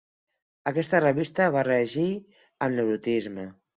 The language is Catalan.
Aquesta revista va reeixir amb l'erotisme.